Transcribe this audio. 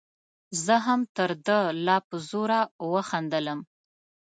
زه هم تر ده لا په زوره وخندلم.